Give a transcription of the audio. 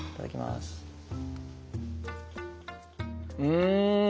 うん！